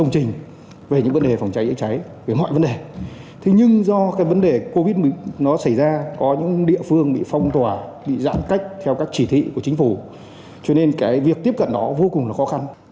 các đoàn quân đại dịch đã phong tỏa bị giãn cách theo các chỉ thị của chính phủ cho nên việc tiếp cận đó vô cùng khó khăn